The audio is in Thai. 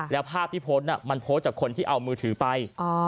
แล้วภาพที่โพสต์มันโพสต์จากคนที่เอามือถือไป